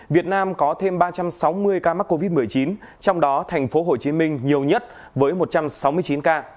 việt nam có thêm ba trăm sáu mươi ca mắc covid một mươi chín trong đó thành phố hồ chí minh nhiều nhất với một trăm sáu mươi chín ca